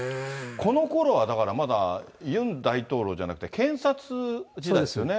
このころはだから、まだ、ユン大統領じゃなくて、検察時代ですよね。